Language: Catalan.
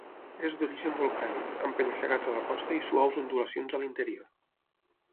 És d'origen volcànic, amb penya-segats a la costa i suaus ondulacions a l'interior.